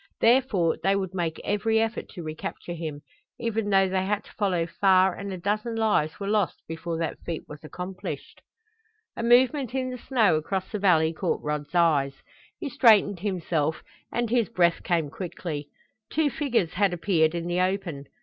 Therefore they would make every effort to recapture him, even though they had to follow far and a dozen lives were lost before that feat was accomplished. A movement in the snow across the valley caught Rod's eyes. He straightened himself, and his breath came quickly. Two figures had appeared in the open.